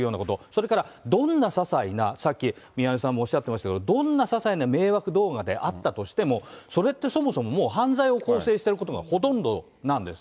それからどんなささいな、さっき、宮根さんもおっしゃってましたけれども、どんなささいな迷惑動画であったとしてもそれってそもそも、もう犯罪を構成してることがほとんどなんです。